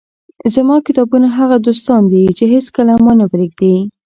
زما کتابونه هغه دوستان دي، چي هيڅکله مانه پرېږي.